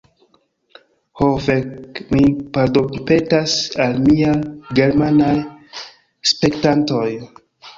Ho fek'... mi pardonpetas al mia germanaj spektantoj!